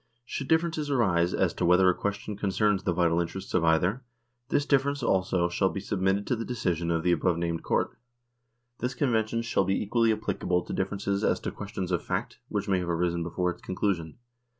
Should differences arise as to whether a question con cerns the vital interests of either, this difference also shall be submitted to the decision of the above 150 NORWAY AND THE UNION WITH SWEDEN named Court. This convention shall be equally applicable to differences as to questions of fact which may have arisen before its conclusion.